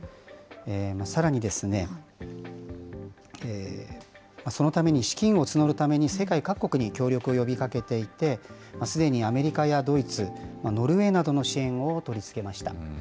さらに、そのために資金を募るために世界各国に協力を呼びかけていて、すでにアメリカやドイツ、ノルウェーなどの支援を取り付けました。